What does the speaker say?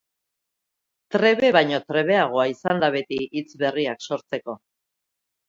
Trebe baino trebeagoa izan da beti hitz berriak sortzeko.